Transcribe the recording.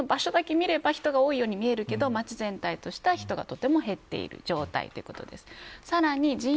イルミネーションの場所だけ見れば人が多いように見えるけど街全体としては人がとっても減っている状態です。